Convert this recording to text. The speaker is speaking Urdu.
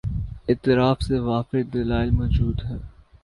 اطراف سے وافر دلائل مو جود ہیں۔